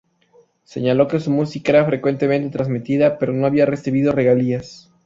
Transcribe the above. Señaló que su música era frecuentemente transmitida, pero no había recibido regalías.